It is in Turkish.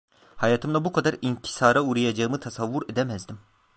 Hayatımda bu kadar inkisara uğrayacağımı tasavvur edemezdim.